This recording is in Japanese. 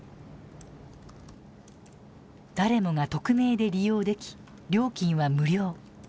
誰もが匿名で利用でき料金は無料。